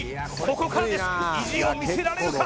ここからです意地を見せられるか？